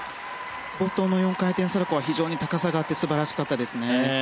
冒頭の４回転サルコウは非常に高さがあって素晴らしかったですね。